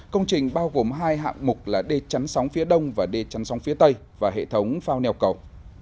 công trình bao gồm hai hạng mục là đê chắn sóng phía đông và đê chắn sóng phía tây và hệ thống phao neo cầu